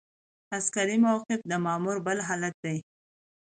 عسکري موقف د مامور بل حالت دی.